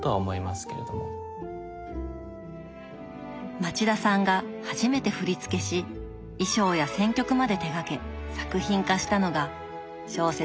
町田さんが初めて振付し衣装や選曲まで手がけ作品化したのが小説